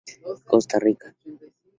Costa Rica